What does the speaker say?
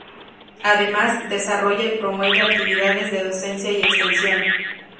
Además, desarrolla y promueve actividades de docencia y extensión.